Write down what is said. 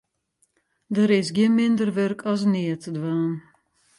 Der is gjin minder wurk as neatdwaan.